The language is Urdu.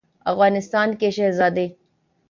افغانستان کےشہزاد ے